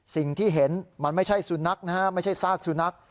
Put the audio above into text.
สิ่งที่เห็นมันไม่ใช่สุนัขนะฮะไม่ใช่ซากสุนัข